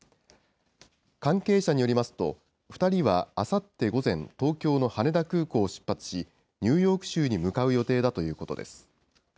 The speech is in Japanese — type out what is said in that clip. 関係者によりますと、２人はあさって午前、東京の羽田空港を出発し、ニューヨーク州に向かう予定だということです。